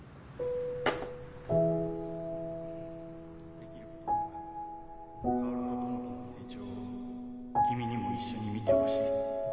「出来ることなら薫と友樹の成長を君にも一緒に見て欲しい」